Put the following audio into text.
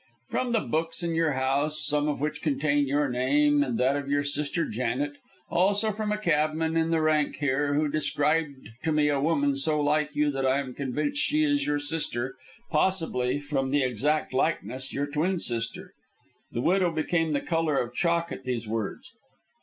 "From the books in your house, some of which contain your name and that of your sister Janet. Also from a cabman on the rank here, who described to me a woman so like you that I am convinced she is your sister possibly, from the exact likeness, your twin sister." The widow became the colour of chalk at these words.